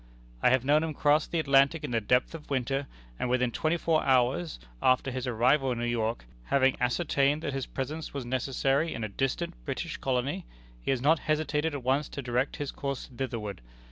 I have known him cross the Atlantic in the depth of winter, and, within twenty four hours after his arrival in New York, having ascertained that his presence was necessary in a distant British colony, he has not hesitated at once to direct his course thitherward.